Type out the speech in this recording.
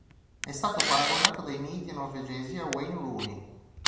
È stato paragonato dai media norvegesi a Wayne Rooney.